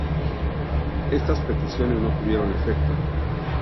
Estas peticiones no tuvieron efecto.